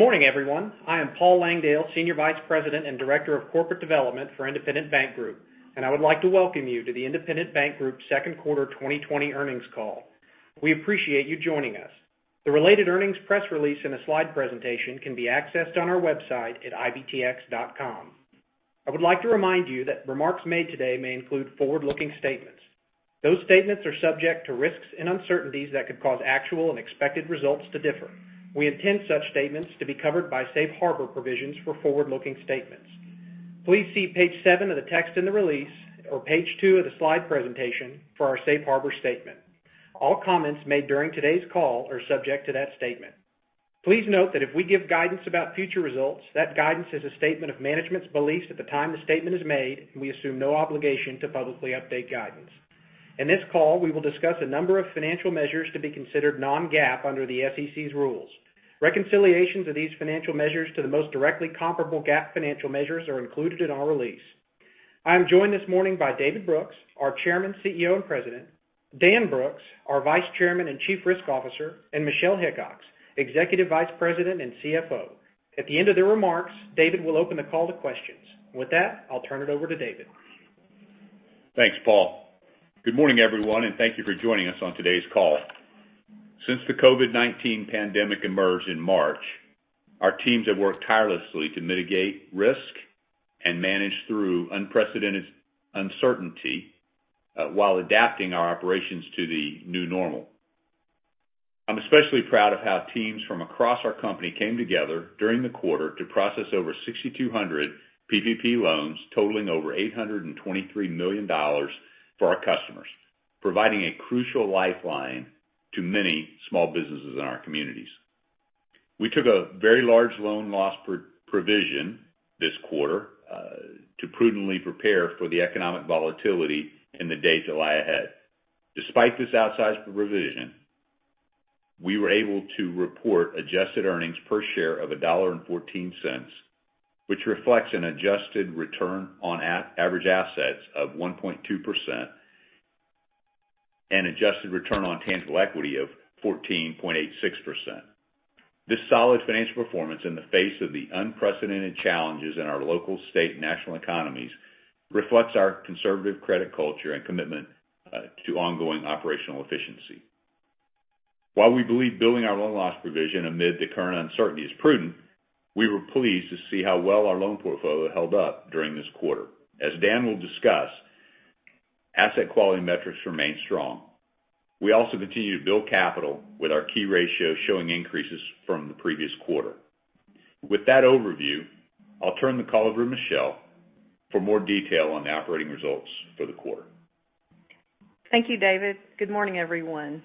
Good morning, everyone. I am Paul Langdale, Senior Vice President and Director of Corporate Development for Independent Bank Group. I would like to welcome you to the Independent Bank Group second quarter 2020 earnings call. We appreciate you joining us. The related earnings press release and a slide presentation can be accessed on our website at ibtx.com. I would like to remind you that remarks made today may include forward-looking statements. Those statements are subject to risks and uncertainties that could cause actual and expected results to differ. We intend such statements to be covered by safe harbor provisions for forward-looking statements. Please see page seven of the text in the release or page two of the slide presentation for our safe harbor statement. All comments made during today's call are subject to that statement. Please note that if we give guidance about future results, that guidance is a statement of management's beliefs at the time the statement is made, and we assume no obligation to publicly update guidance. In this call, we will discuss a number of financial measures to be considered non-GAAP under the SEC's rules. Reconciliations of these financial measures to the most directly comparable GAAP financial measures are included in our release. I'm joined this morning by David Brooks, our Chairman, CEO, and President, Dan Brooks, our Vice Chairman and Chief Risk Officer, and Michelle Hickox, Executive Vice President and CFO. At the end of their remarks, David will open the call to questions. With that, I'll turn it over to David. Thanks, Paul. Good morning, everyone, and thank you for joining us on today's call. Since the COVID-19 pandemic emerged in March, our teams have worked tirelessly to mitigate risk and manage through unprecedented uncertainty, while adapting our operations to the new normal. I'm especially proud of how teams from across our company came together during the quarter to process over 6,200 PPP loans totaling over $823 million for our customers, providing a crucial lifeline to many small businesses in our communities. We took a very large loan loss provision this quarter, to prudently prepare for the economic volatility in the days that lie ahead. Despite this outsized provision, we were able to report adjusted earnings per share of $1.14, which reflects an adjusted return on average assets of 1.2% and adjusted return on tangible equity of 14.86%. This solid financial performance in the face of the unprecedented challenges in our local state and national economies reflects our conservative credit culture and commitment to ongoing operational efficiency. While we believe building our loan loss provision amid the current uncertainty is prudent, we were pleased to see how well our loan portfolio held up during this quarter. As Dan will discuss, asset quality metrics remain strong. We also continue to build capital with our key ratios showing increases from the previous quarter. With that overview, I'll turn the call over to Michelle for more detail on the operating results for the quarter. Thank you, David. Good morning, everyone.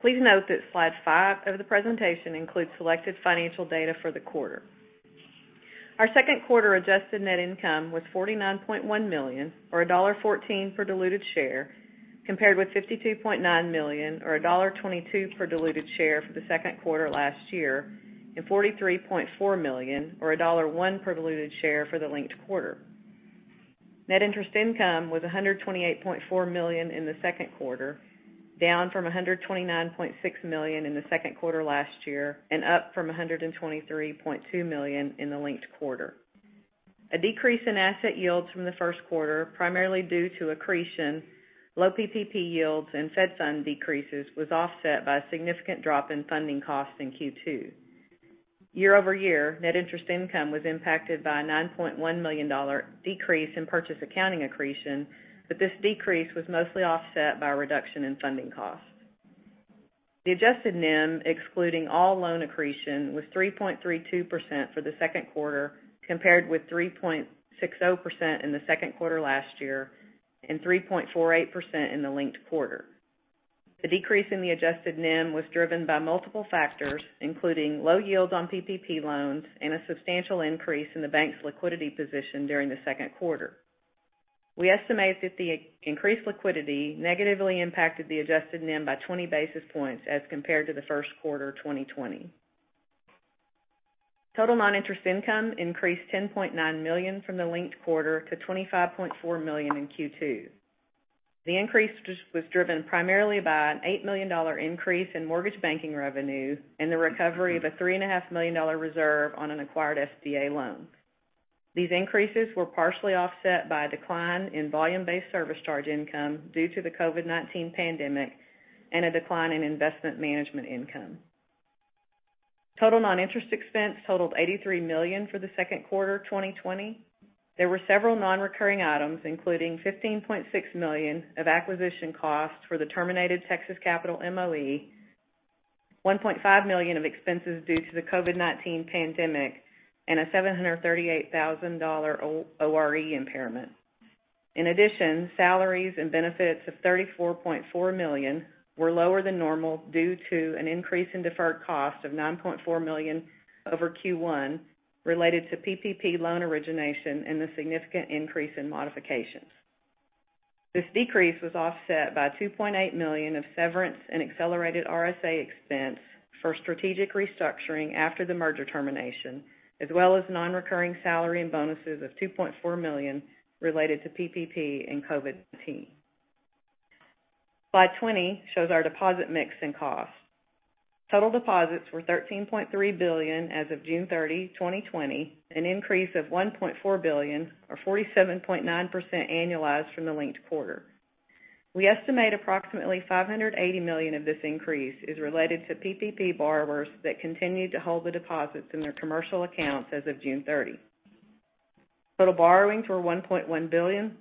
Please note that slide five of the presentation includes selected financial data for the quarter. Our second quarter adjusted net income was $49.1 million, or $1.14 per diluted share, compared with $52.9 million or $1.22 per diluted share for the second quarter last year and $43.4 million or $1.01 per diluted share for the linked quarter. Net interest income was $128.4 million in the second quarter, down from $129.6 million in the second quarter last year and up from $123.2 million in the linked quarter. A decrease in asset yields from the first quarter, primarily due to accretion, low PPP yields, and Fed Funds decreases, was offset by a significant drop in funding costs in Q2. Year-over-year, net interest income was impacted by a $9.1 million decrease in purchase accounting accretion. This decrease was mostly offset by a reduction in funding costs. The adjusted NIM, excluding all loan accretion, was 3.32% for the second quarter, compared with 3.60% in the second quarter last year and 3.48% in the linked quarter. The decrease in the adjusted NIM was driven by multiple factors, including low yields on PPP loans and a substantial increase in the bank's liquidity position during the second quarter. We estimate that the increased liquidity negatively impacted the adjusted NIM by 20 basis points as compared to the first quarter 2020. Total non-interest income increased $10.9 million from the linked quarter to $25.4 million in Q2. The increase was driven primarily by an $8 million increase in mortgage banking revenue and the recovery of a $3.5 million reserve on an acquired SBA loan. These increases were partially offset by a decline in volume-based service charge income due to the COVID-19 pandemic and a decline in investment management income. Total non-interest expense totaled $83 million for the second quarter 2020. There were several non-recurring items, including $15.6 million of acquisition costs for the terminated Texas Capital MOE, $1.5 million of expenses due to the COVID-19 pandemic, and a $738,000 ORE impairment. In addition, salaries and benefits of $34.4 million were lower than normal due to an increase in deferred costs of $9.4 million over Q1 related to PPP loan origination and the significant increase in modifications. This decrease was offset by $2.8 million of severance and accelerated RSA expense for strategic restructuring after the merger termination, as well as non-recurring salary and bonuses of $2.4 million related to PPP and COVID-19. Slide 20 shows our deposit mix and costs. Total deposits were $13.3 billion as of June 30, 2020, an increase of $1.4 billion, or 47.9% annualized from the linked quarter. We estimate approximately $580 million of this increase is related to PPP borrowers that continued to hold the deposits in their commercial accounts as of June 30. Total borrowings were $1.1 billion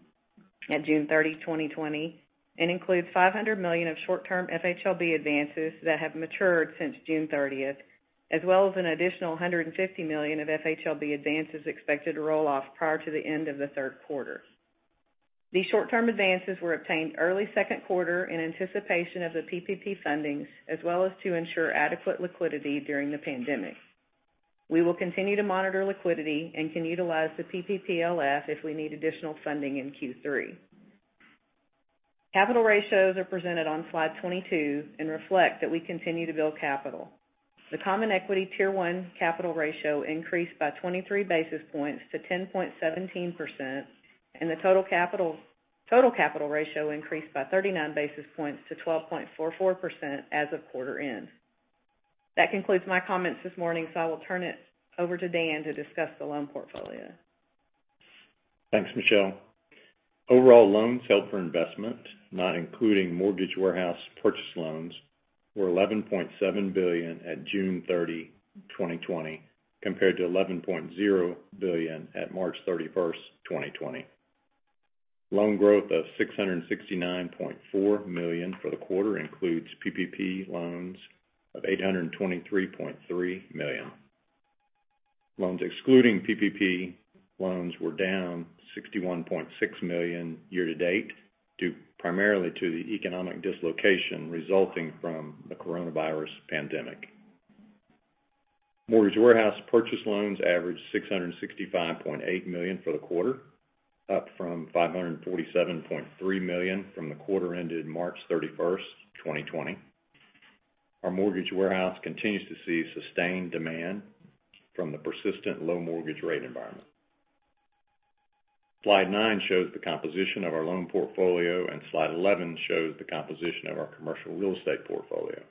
at June 30, 2020, and includes $500 million of short-term FHLB advances that have matured since June 30th, as well as an additional $150 million of FHLB advances expected to roll off prior to the end of the third quarter. These short-term advances were obtained early second quarter in anticipation of the PPP fundings, as well as to ensure adequate liquidity during the pandemic. We will continue to monitor liquidity and can utilize the PPPLF if we need additional funding in Q3. Capital ratios are presented on slide 22 and reflect that we continue to build capital. The common equity Tier 1 capital ratio increased by 23 basis points to 10.17%, and the total capital ratio increased by 39 basis points to 12.44% as of quarter end. That concludes my comments this morning, so I will turn it over to Dan to discuss the loan portfolio. Thanks, Michelle. Overall loans held for investment, not including mortgage warehouse purchase loans, were $11.7 billion at June 30, 2020, compared to $11.0 billion at March 31st, 2020. Loan growth of $669.4 million for the quarter includes PPP loans of $823.3 million. Loans excluding PPP loans were down $61.6 million year to date, due primarily to the economic dislocation resulting from the coronavirus pandemic. Mortgage warehouse purchase loans averaged $665.8 million for the quarter, up from $547.3 million from the quarter ended March 31st, 2020. Our mortgage warehouse continues to see sustained demand from the persistent low mortgage rate environment. Slide nine shows the composition of our loan portfolio, and slide 11 shows the composition of our commercial real estate portfolio.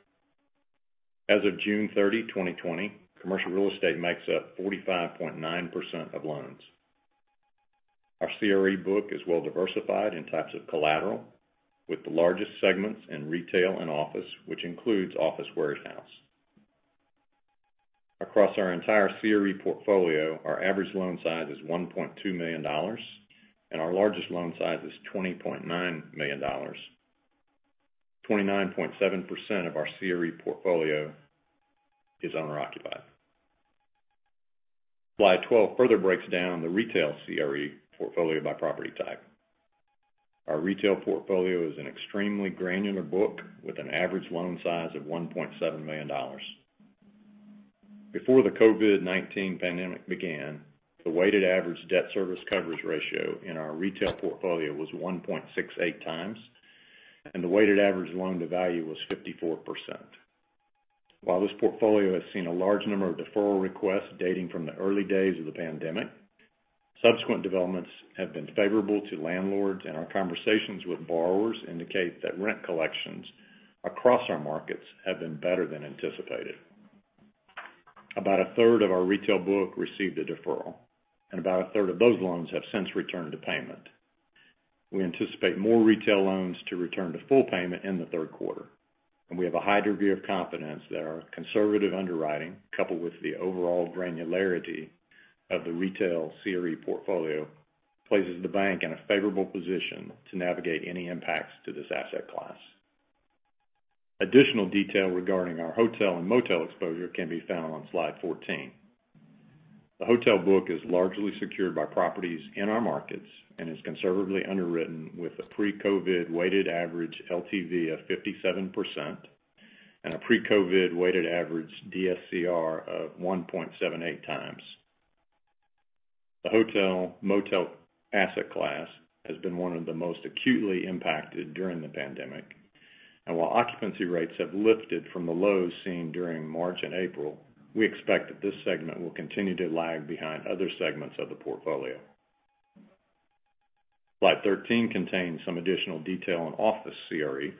As of June 30, 2020, commercial real estate makes up 45.9% of loans. Our CRE book is well diversified in types of collateral, with the largest segments in retail and office, which includes office warehouse. Across our entire CRE portfolio, our average loan size is $1.2 million, and our largest loan size is $20.9 million. 29.7% of our CRE portfolio is owner-occupied. Slide 12 further breaks down the retail CRE portfolio by property type. Our retail portfolio is an extremely granular book with an average loan size of $1.7 million. Before the COVID-19 pandemic began, the weighted average debt service coverage ratio in our retail portfolio was 1.68x, and the weighted average loan-to-value was 54%. While this portfolio has seen a large number of deferral requests dating from the early days of the pandemic, subsequent developments have been favorable to landlords, and our conversations with borrowers indicate that rent collections across our markets have been better than anticipated. About 1/3 of our retail book received a deferral, and about 1/3 of those loans have since returned to payment. We anticipate more retail loans to return to full payment in the third quarter, and we have a high degree of confidence that our conservative underwriting, coupled with the overall granularity of the retail CRE portfolio, places the bank in a favorable position to navigate any impacts to this asset class. Additional detail regarding our hotel and motel exposure can be found on slide 14. The hotel book is largely secured by properties in our markets and is conservatively underwritten with a pre-COVID weighted average LTV of 57% and a pre-COVID weighted average DSCR of 1.78x. The hotel/motel asset class has been one of the most acutely impacted during the pandemic. While occupancy rates have lifted from the lows seen during March and April, we expect that this segment will continue to lag behind other segments of the portfolio. Slide 13 contains some additional detail on office CRE.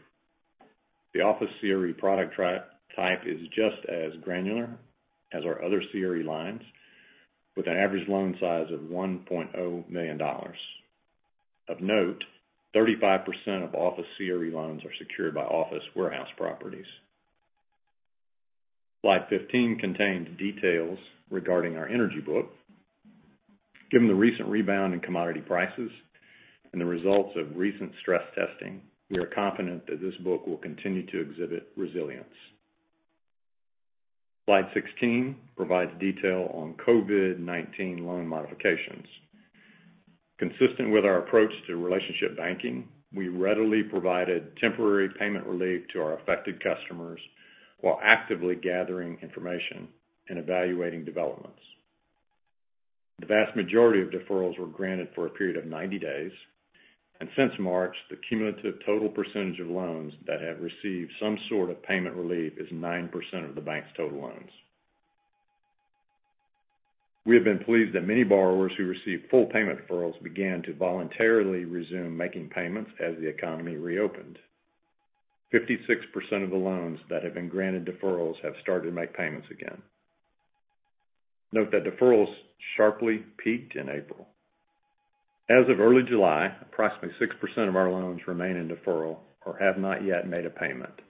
The office CRE product type is just as granular as our other CRE lines, with an average loan size of $1.0 million. Of note, 35% of office CRE loans are secured by office warehouse properties. Slide 15 contains details regarding our energy book. Given the recent rebound in commodity prices and the results of recent stress testing, we are confident that this book will continue to exhibit resilience. Slide 16 provides detail on COVID-19 loan modifications. Consistent with our approach to relationship banking, we readily provided temporary payment relief to our affected customers while actively gathering information and evaluating developments. The vast majority of deferrals were granted for a period of 90 days. Since March, the cumulative total percentage of loans that have received some sort of payment relief is 9% of the bank's total loans. We have been pleased that many borrowers who received full payment deferrals began to voluntarily resume making payments as the economy reopened. 56% of the loans that have been granted deferrals have started to make payments again. Note that deferrals sharply peaked in April. As of early July, approximately 6% of our loans remain in deferral or have not yet made a payment.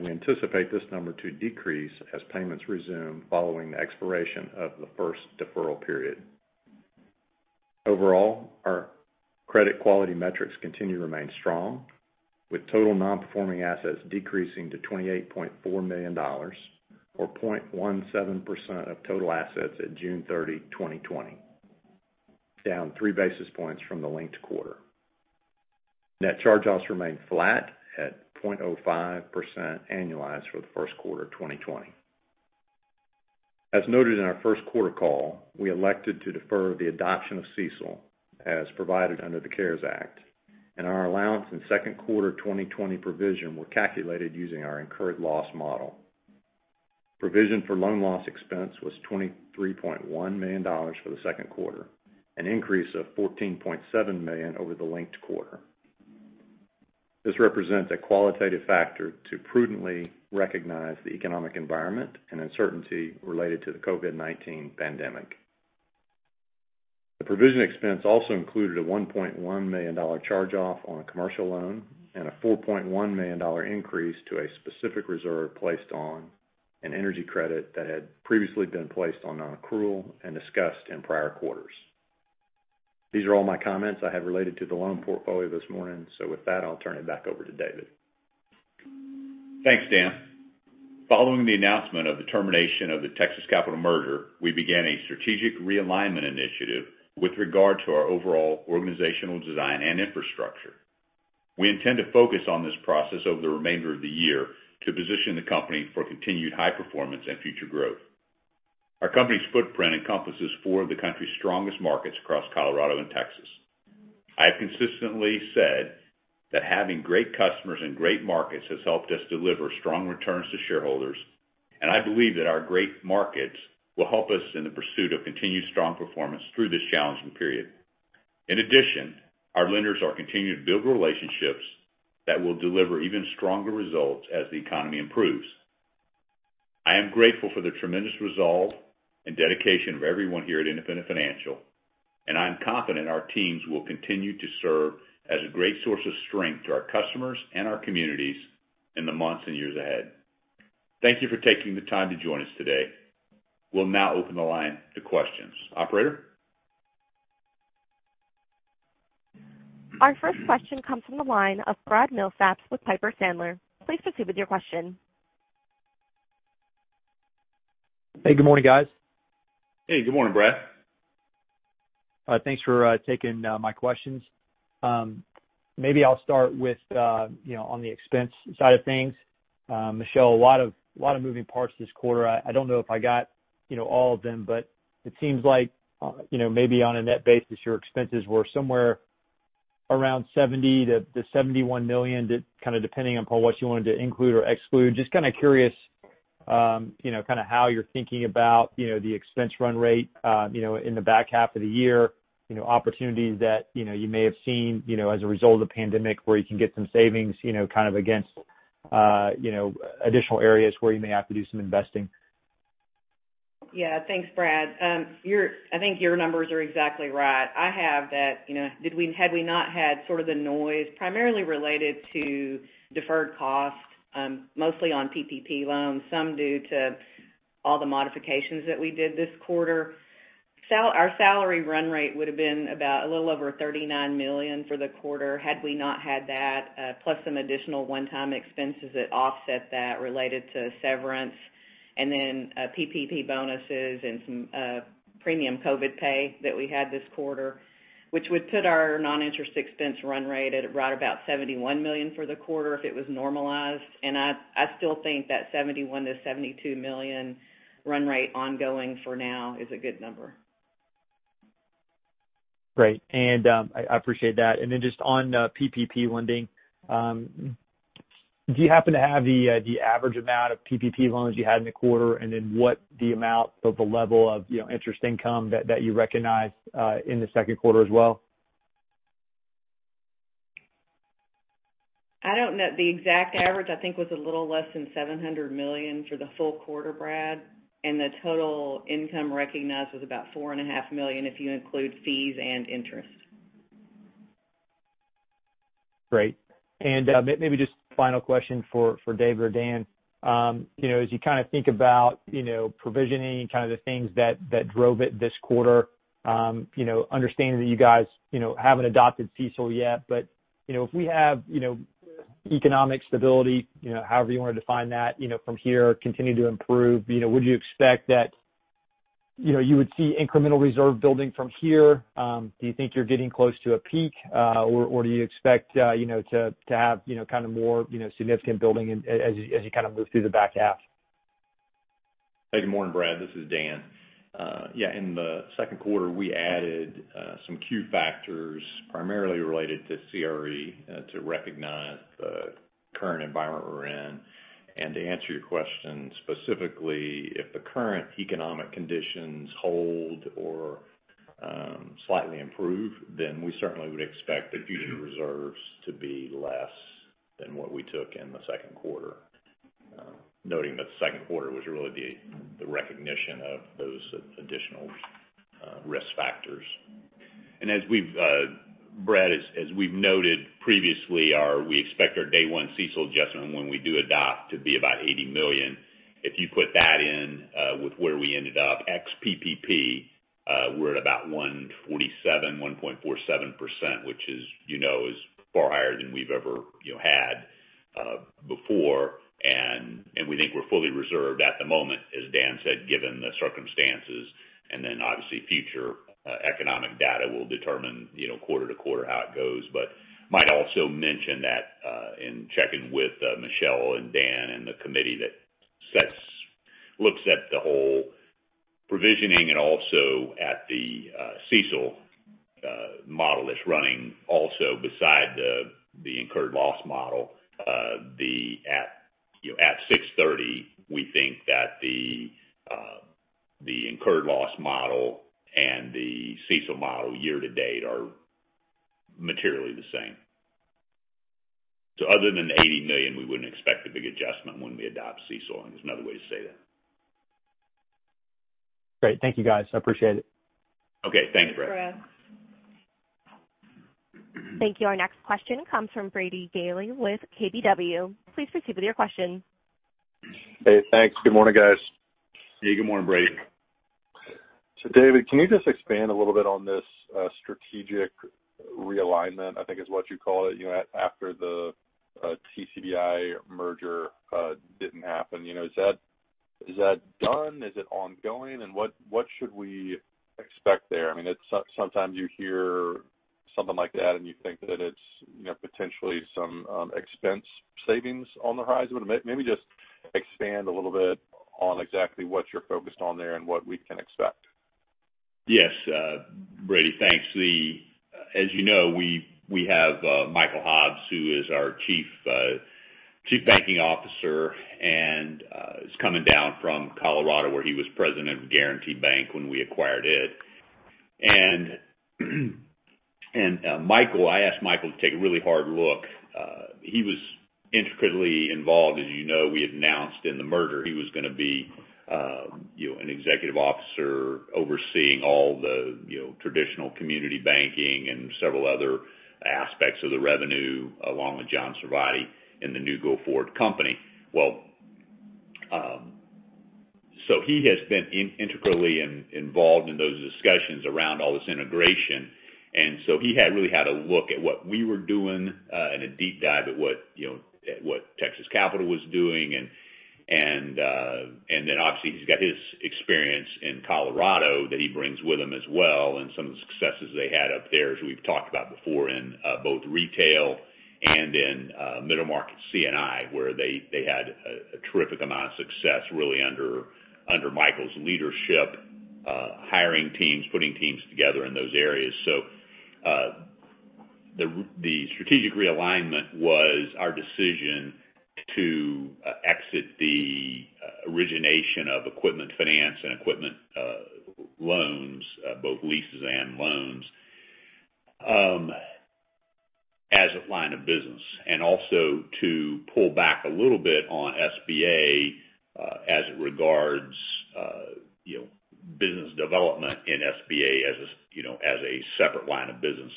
We anticipate this number to decrease as payments resume following the expiration of the first deferral period. Overall, our credit quality metrics continue to remain strong, with total non-performing assets decreasing to $28.4 million, or 0.17% of total assets at June 30, 2020, down three basis points from the linked quarter. Net charge-offs remained flat at 0.05% annualized for the first quarter of 2020. As noted in our first quarter call, we elected to defer the adoption of CECL as provided under the CARES Act, and our allowance in second quarter 2020 provision were calculated using our incurred loss model. Provision for loan loss expense was $23.1 million for the second quarter, an increase of $14.7 million over the linked quarter. This represents a qualitative factor to prudently recognize the economic environment and uncertainty related to the COVID-19 pandemic. The provision expense also included a $1.1 million charge-off on a commercial loan, and a $4.1 million increase to a specific reserve placed on an energy credit that had previously been placed on non-accrual and discussed in prior quarters. These are all my comments I have related to the loan portfolio this morning. With that, I'll turn it back over to David. Thanks, Dan. Following the announcement of the termination of the Texas Capital merger, we began a strategic realignment initiative with regard to our overall organizational design and infrastructure. We intend to focus on this process over the remainder of the year to position the company for continued high performance and future growth. Our company's footprint encompasses four of the country's strongest markets across Colorado and Texas. I have consistently said that having great customers in great markets has helped us deliver strong returns to shareholders, and I believe that our great markets will help us in the pursuit of continued strong performance through this challenging period. In addition, our lenders are continuing to build relationships that will deliver even stronger results as the economy improves. I am grateful for the tremendous resolve and dedication of everyone here at Independent Financial. I am confident our teams will continue to serve as a great source of strength to our customers and our communities in the months and years ahead. Thank you for taking the time to join us today. We'll now open the line to questions. Operator? Our first question comes from the line of Brad Milsaps with Piper Sandler. Please proceed with your question. Hey, good morning, guys. Hey, good morning, Brad. Thanks for taking my questions. Maybe I'll start with on the expense side of things. Michelle, a lot of moving parts this quarter. I don't know if I got all of them, but it seems like maybe on a net basis, your expenses were somewhere around $70 million-$71 million, kind of depending upon what you wanted to include or exclude. Just kind of curious how you're thinking about the expense run rate in the back half of the year, opportunities that you may have seen as a result of the pandemic where you can get some savings against additional areas where you may have to do some investing? Yeah. Thanks, Brad. I think your numbers are exactly right. I have that had we not had sort of the noise primarily related to deferred cost, mostly on PPP loans, some due to all the modifications that we did this quarter, our salary run rate would've been about a little over $39 million for the quarter had we not had that, plus some additional one-time expenses that offset that related to severance and then PPP bonuses and some premium COVID pay that we had this quarter, which would put our non-interest expense run rate at right about $71 million for the quarter if it was normalized. I still think that $71 million-$72 million run rate ongoing for now is a good number. Great. I appreciate that. Just on PPP lending, do you happen to have the average amount of PPP loans you had in the quarter, what the amount of the level of interest income that you recognized in the second quarter as well? I don't know the exact average. I think it was a little less than $700 million for the full quarter, Brad, and the total income recognized was about $4.5 million if you include fees and interest. Great. Maybe just a final question for David or Dan. As you kind of think about provisioning, kind of the things that drove it this quarter, understanding that you guys haven't adopted CECL yet, but if we have economic stability, however you want to define that from here, continue to improve, would you expect that you would see incremental reserve building from here? Do you think you're getting close to a peak? Or do you expect to have kind of more significant building as you kind of move through the back half? Hey, good morning, Brad. This is Dan. Yeah, in the second quarter, we added some Q factors primarily related to CRE to recognize the current environment we're in. To answer your question specifically, if the current economic conditions hold or slightly improve, then we certainly would expect the future reserves to be less than what we took in the second quarter. Noting that the second quarter was really the recognition of those additional risk factors. Brad Milsaps, as we've noted previously, we expect our day one CECL adjustment when we do adopt to be about $80 million. If you put that in with where we ended up, ex PPP, we're at about 1.47%, which as you know is far higher than we've ever had before. We think we're fully reserved at the moment, as Dan said, given the circumstances. Then obviously future economic data will determine quarter to quarter how it goes. Might also mention that in checking with Michelle and Dan and the committee that looks at the whole provisioning and also at the CECL model that's running also beside the incurred loss model. At 6/30, we think that the incurred loss model and the CECL model year to date are materially the same. Other than $80 million, we wouldn't expect a big adjustment when we adopt CECL. There's another way to say that. Great. Thank you, guys. I appreciate it. Okay, thanks, Brad. Thank, Brad. Thank you. Our next question comes from Brady Gailey with KBW. Please proceed with your question. Hey, thanks. Good morning, guys. Hey, good morning, Brady. David, can you just expand a little bit on this strategic realignment, I think is what you call it, after the TCBI merger didn't happen. Is that done? Is it ongoing? What should we expect there? Sometimes you hear something like that and you think that it's potentially some expense savings on the horizon. Maybe just expand a little bit on exactly what you're focused on there and what we can expect. Yes. Brady, thanks. As you know, we have Michael Hobbs, who is our Chief Banking Officer, and is coming down from Colorado, where he was president of Guaranty Bank when we acquired it. I asked Michael to take a really hard look. He was intricately involved. As you know, we had announced in the merger he was going to be an executive officer overseeing all the traditional community banking and several other aspects of the revenue, along with John Sarvadi in the new go-forward company. He has been intricately involved in those discussions around all this integration. He really had a look at what we were doing and a deep dive at what Texas Capital was doing. Obviously, he's got his experience in Colorado that he brings with him as well, and some of the successes they had up there, as we've talked about before, in both retail and in middle market C&I, where they had a terrific amount of success, really under Michael's leadership, hiring teams, putting teams together in those areas. The strategic realignment was our decision to exit the origination of equipment finance and equipment loans, both leases and loans, as a line of business. Also to pull back a little bit on SBA as it regards business development in SBA as a separate line of business.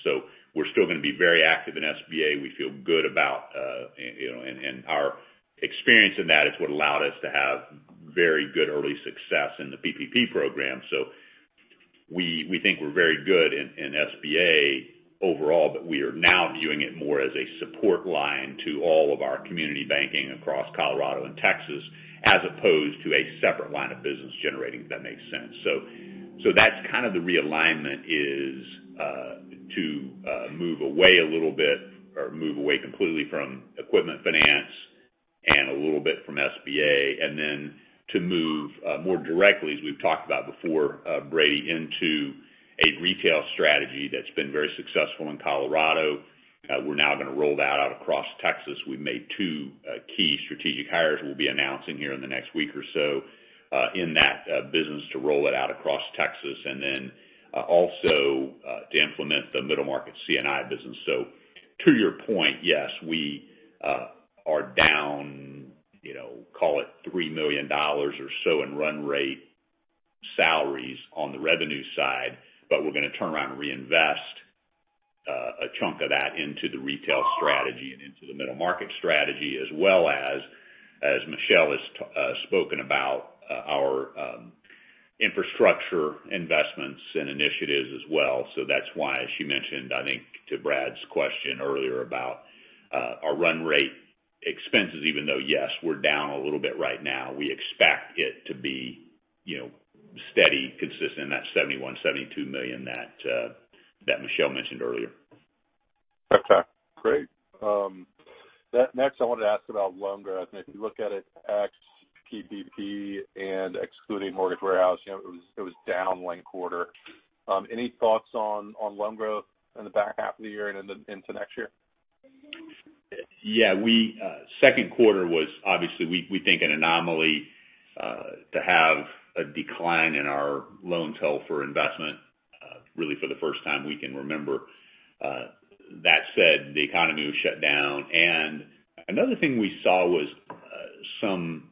We're still going to be very active in SBA. We feel good about and our experience in that is what allowed us to have very good early success in the PPP program. We think we're very good in SBA overall, but we are now viewing it more as a support line to all of our community banking across Colorado and Texas, as opposed to a separate line of business generating, if that makes sense. That's kind of the realignment, is to move away a little bit or move away completely from equipment finance and a little bit from SBA, and then to move more directly, as we've talked about before, Brady, into a retail strategy that's been very successful in Colorado. We're now going to roll that out across Texas. We've made two key strategic hires we'll be announcing here in the next week or so in that business to roll it out across Texas, and then also to implement the middle market C&I business. To your point, yes, we are down call it $3 million or so in run rate salaries on the revenue side, but we're going to turn around and reinvest a chunk of that into the retail strategy and into the middle market strategy, as well as Michelle has spoken about, our infrastructure investments and initiatives as well. That's why she mentioned, I think, to Brad's question earlier about our run rate expenses, even though, yes, we're down a little bit right now. We expect it to be steady, consistent in that $71 million, $72 million that Michelle mentioned earlier. Okay, great. Next I wanted to ask about loan growth, and if you look at it ex-PPP and excluding mortgage warehouse, it was down linked quarter. Any thoughts on loan growth in the back half of the year and into next year? Yeah. Second quarter was obviously, we think an anomaly, to have a decline in our loans held for investment, really for the first time we can remember. That said, the economy was shut down. Another thing we saw was some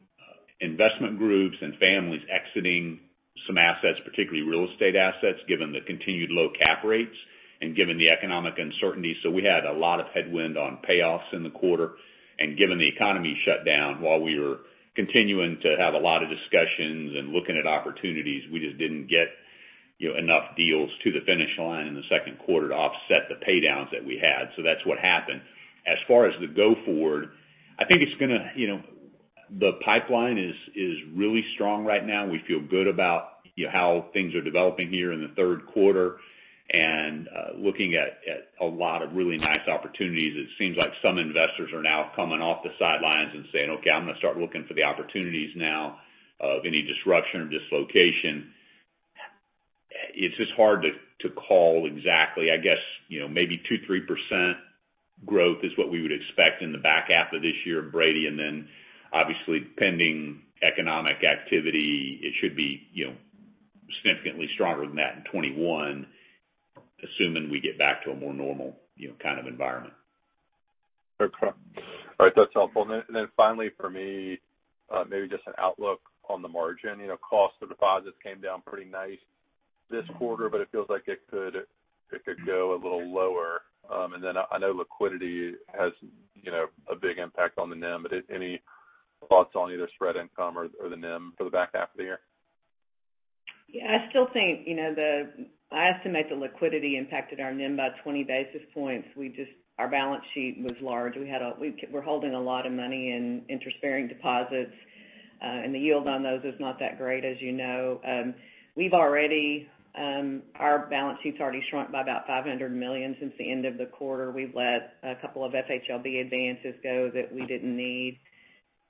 investment groups and families exiting some assets, particularly real estate assets, given the continued low cap rates and given the economic uncertainty. We had a lot of headwind on payoffs in the quarter. Given the economy shut down while we were continuing to have a lot of discussions and looking at opportunities, we just didn't get enough deals to the finish line in the second quarter to offset the pay downs that we had. That's what happened. As far as the go forward, I think the pipeline is really strong right now. We feel good about how things are developing here in the third quarter and looking at a lot of really nice opportunities. It seems like some investors are now coming off the sidelines and saying, "Okay, I'm going to start looking for the opportunities now of any disruption or dislocation." It's just hard to call exactly. I guess maybe 2%, 3% growth is what we would expect in the back half of this year, Brady, then obviously pending economic activity, it should be significantly stronger than that in 2021, assuming we get back to a more normal kind of environment. Okay. All right. That's helpful. Finally for me, maybe just an outlook on the margin. Cost of deposits came down pretty nice this quarter, but it feels like it could go a little lower. I know liquidity has a big impact on the NIM. Any thoughts on either spread income or the NIM for the back half of the year? Yeah, I estimate the liquidity impacted our NIM by 20 basis points. Our balance sheet was large. We're holding a lot of money in interest-bearing deposits, and the yield on those is not that great as you know. Our balance sheet's already shrunk by about $500 million since the end of the quarter. We've let a couple of FHLB advances go that we didn't need.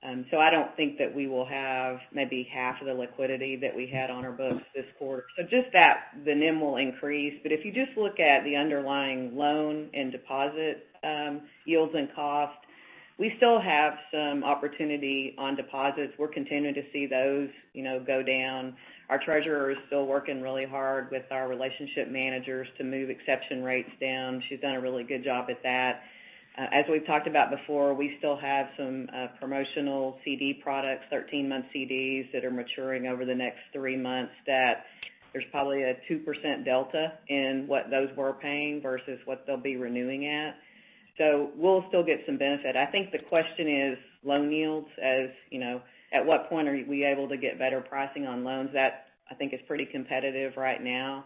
I don't think that we will have maybe half of the liquidity that we had on our books this quarter. Just that the NIM will increase. If you just look at the underlying loan and deposit yields and cost, we still have some opportunity on deposits. We're continuing to see those go down. Our treasurer is still working really hard with our relationship managers to move exception rates down. She's done a really good job at that. As we've talked about before, we still have some promotional CD products, 13-month CDs that are maturing over the next three months, that there's probably a 2% delta in what those were paying versus what they'll be renewing at. We'll still get some benefit. I think the question is loan yields, as at what point are we able to get better pricing on loans? That I think is pretty competitive right now.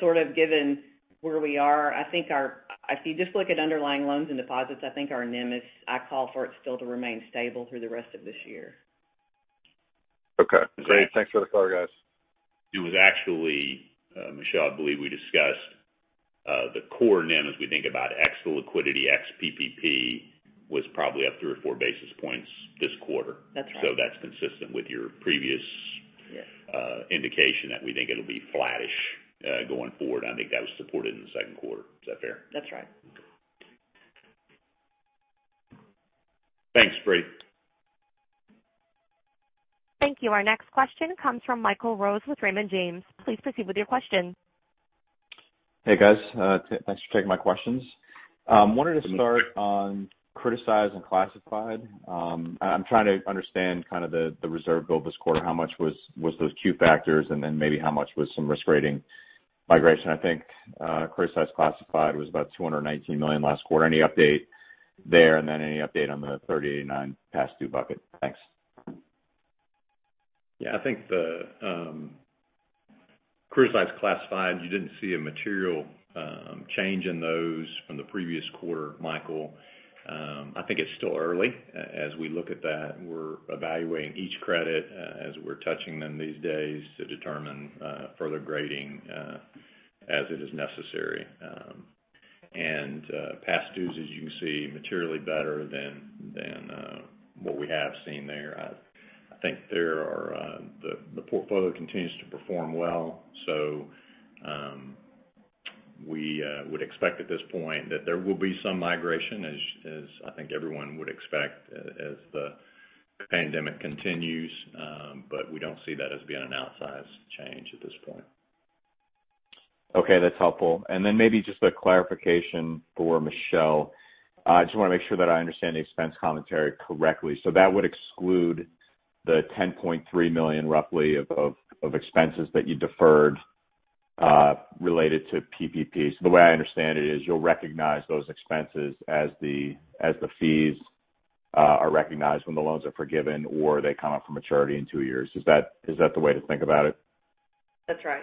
Sort of given where we are, if you just look at underlying loans and deposits, I think our NIM is, I call for it still to remain stable through the rest of this year. Okay, great. Thanks for the color, guys. Michelle, I believe we discussed the core NIM as we think about ex liquidity, ex PPP was probably up 3 or 4 basis points this quarter. That's right. That's consistent with your previous indication that we think it'll be flattish, going forward. I think that was supported in the second quarter. Is that fair? That's right. Thanks, Brady. Thank you. Our next question comes from Michael Rose with Raymond James. Please proceed with your question. Hey, guys. Thanks for taking my questions. I wanted to start on criticized and classified. I'm trying to understand the reserve build this quarter. How much was those two factors, then maybe how much was some risk rating migration? I think, criticized classified was about $219 million last quarter. Any update there? Any update on the 30-89 past due bucket? Thanks. Yeah, I think the criticized classified, you didn't see a material change in those from the previous quarter, Michael. I think it's still early. As we look at that, we're evaluating each credit, as we're touching them these days to determine further grading as it is necessary. Past dues, as you can see, materially better than what we have seen there. I think the portfolio continues to perform well. We would expect at this point that there will be some migration as I think everyone would expect as the pandemic continues. We don't see that as being an outsized change at this point. Okay. That's helpful. Maybe just a clarification for Michelle. I just want to make sure that I understand the expense commentary correctly. That would exclude the $10.3 million roughly of expenses that you deferred related to PPP. The way I understand it is you'll recognize those expenses as the fees are recognized when the loans are forgiven or they come up for maturity in two years. Is that the way to think about it? That's right.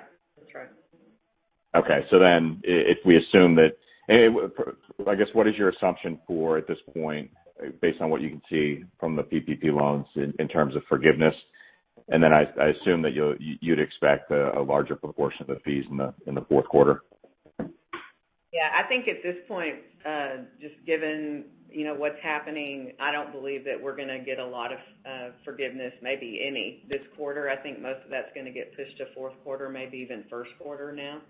Okay. I guess, what is your assumption for at this point based on what you can see from the PPP loans in terms of forgiveness? I assume that you'd expect a larger proportion of the fees in the fourth quarter. Yeah, I think at this point, just given what's happening, I don't believe that we're going to get a lot of forgiveness, maybe any this quarter. I think most of that's going to get pushed to fourth quarter, maybe even first quarter now.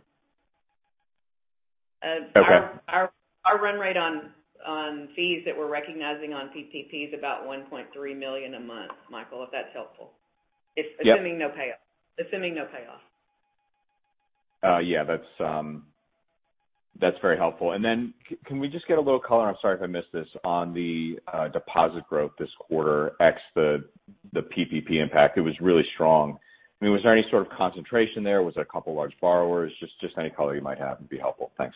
Okay. Our run rate on fees that we're recognizing on PPP is about $1.3 million a month, Michael, if that's helpful. Yep. Assuming no payoff. Yeah, that's very helpful. Then can we just get a little color, I'm sorry if I missed this, on the deposit growth this quarter, ex the PPP impact. It was really strong. I mean, was there any sort of concentration there? Was it a couple large borrowers? Just any color you might have would be helpful. Thanks.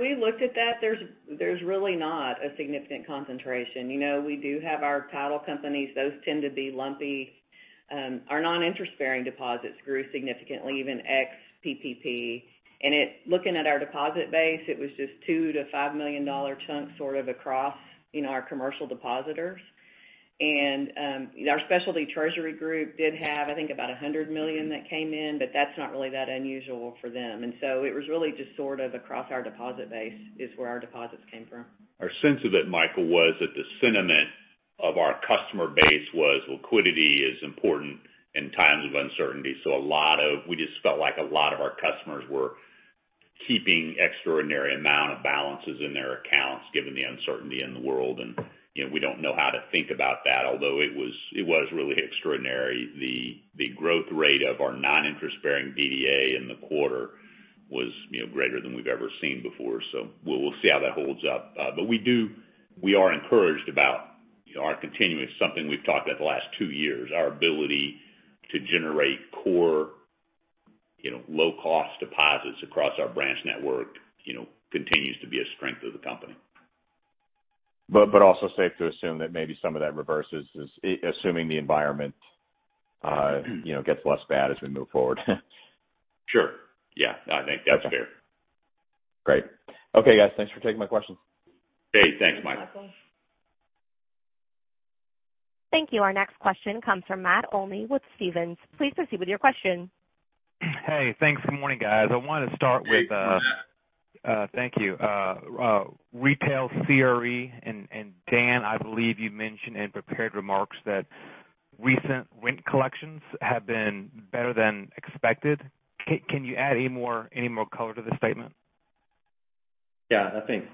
We looked at that. There's really not a significant concentration. We do have our title companies. Those tend to be lumpy. Our non-interest-bearing deposits grew significantly, even ex PPP. Looking at our deposit base, it was just $2 million-$5 million chunks sort of across our commercial depositors. Our specialty treasury group did have, I think, about $100 million that came in, but that's not really that unusual for them. It was really just sort of across our deposit base is where our deposits came from. Our sense of it, Michael, was that the sentiment of our customer base was liquidity is important in times of uncertainty. We just felt like a lot of our customers were keeping extraordinary amount of balances in their accounts given the uncertainty in the world, and we don't know how to think about that. Although it was really extraordinary. The growth rate of our non-interest-bearing DDA in the quarter was greater than we've ever seen before, so we'll see how that holds up. We are encouraged about our continuous, something we've talked about the last two years, our ability to generate core low-cost deposits across our branch network continues to be a strength of the company. Also safe to assume that maybe some of that reverses, assuming the environment gets less bad as we move forward. Sure. Yeah. I think that's fair. Great. Okay, guys. Thanks for taking my questions. Hey, thanks, Michael. Thanks, Michael. Thank you. Our next question comes from Matt Olney with Stephens. Please proceed with your question. Hey, thanks. Good morning, guys. Hey, Matt. Thank you. Retail CRE, Dan, I believe you mentioned in prepared remarks that recent rent collections have been better than expected. Can you add any more color to the statement? Yeah, I think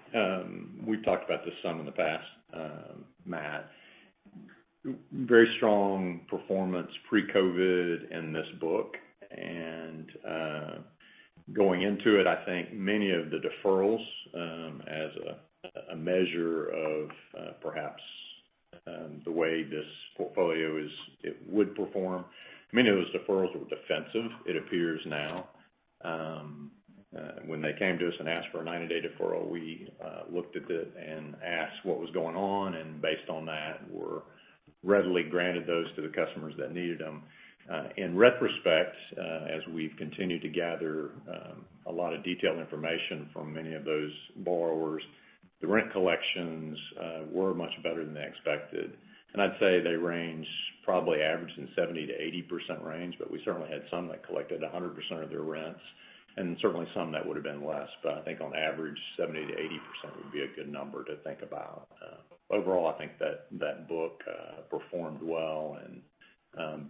we've talked about this some in the past, Matt. Very strong performance pre-COVID in this book. Going into it, I think many of the deferrals, as a measure of perhaps the way this portfolio would perform, many of those deferrals were defensive, it appears now. When they came to us and asked for a 90-day deferral, we looked at it and asked what was going on, and based on that, we readily granted those to the customers that needed them. In retrospect, as we've continued to gather a lot of detailed information from many of those borrowers, the rent collections were much better than they expected. I'd say they range probably average in 70%-80% range, but we certainly had some that collected 100% of their rents, and certainly some that would've been less. I think on average, 70%-80% would be a good number to think about. Overall, I think that that book performed well and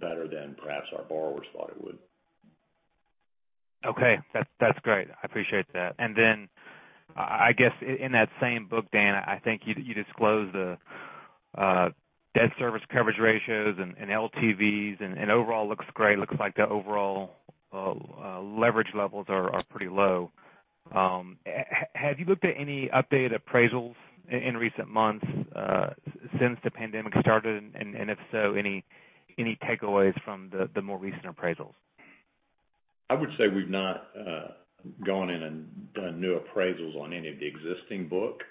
better than perhaps our borrowers thought it would. Okay. That's great. I appreciate that. Then, I guess in that same book, Dan, I think you disclosed the debt service coverage ratios and LTVs, and overall looks great. Looks like the overall leverage levels are pretty low. Have you looked at any updated appraisals in recent months, since the pandemic started? If so, any takeaways from the more recent appraisals? I would say we've not gone in and done new appraisals on any of the existing book.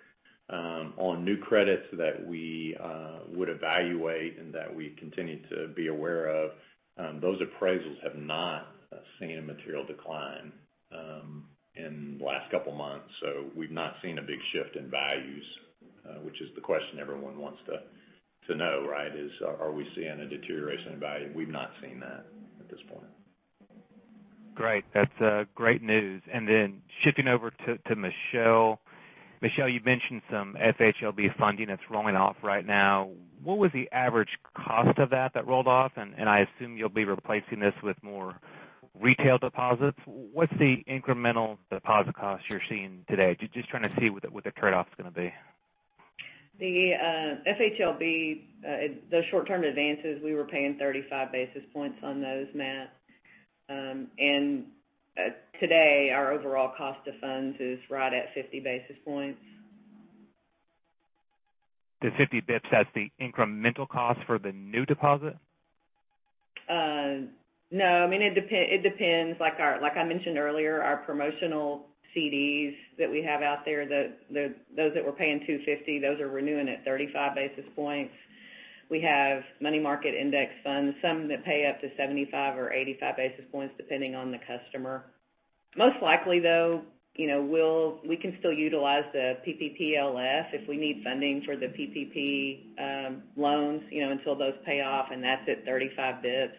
On new credits that we would evaluate and that we continue to be aware of, those appraisals have not seen a material decline in the last couple months. We've not seen a big shift in values, which is the question everyone wants to know, right? Are we seeing a deterioration in value? We've not seen that at this point. Great. That's great news. Shifting over to Michelle. Michelle, you mentioned some FHLB funding that's rolling off right now. What was the average cost of that rolled off? I assume you'll be replacing this with more retail deposits. What's the incremental deposit cost you're seeing today? Just trying to see what the trade-off's going to be. The FHLB, those short-term advances, we were paying 35 basis points on those, Matt. Today, our overall cost of funds is right at 50 basis points. The 50 basis points, that's the incremental cost for the new deposit? No. I mean, it depends. Like I mentioned earlier, our promotional CDs that we have out there, those that we're paying 250, those are renewing at 35 basis points. We have money market index funds, some that pay up to 75 or 85 basis points, depending on the customer. Most likely, though, we can still utilize the PPPLF if we need funding for the PPP loans until those pay off, and that's at 35 basis points.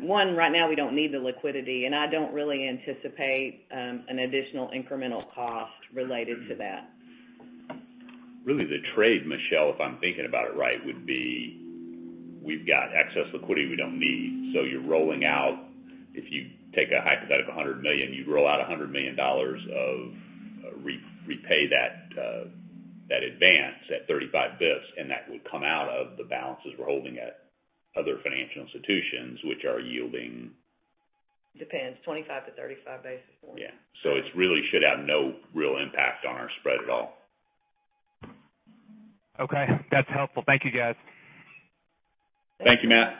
One, right now we don't need the liquidity, and I don't really anticipate an additional incremental cost related to that. Really the trade, Michelle, if I'm thinking about it right, would be we've got excess liquidity we don't need. You're rolling out, if you take a hypothetical $100 million, you'd roll out $100 million of repay that advance at 35 basis points, and that would come out of the balances we're holding at other financial institutions, which are yielding. Depends. 25 basis points-35 basis points. Yeah. It really should have no real impact on our spread at all. Okay. That's helpful. Thank you, guys. Thank you, Matt.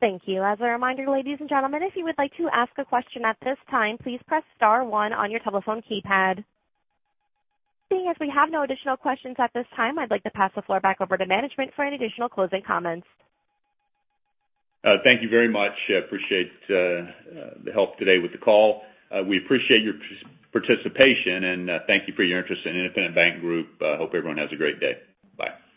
Thank you. As a reminder, ladies and gentlemen, if you would like to ask a question at this time, please press star one on your telephone keypad. Seeing as we have no additional questions at this time, I'd like to pass the floor back over to management for any additional closing comments. Thank you very much. Appreciate the help today with the call. We appreciate your participation, and thank you for your interest in Independent Bank Group. Hope everyone has a great day. Bye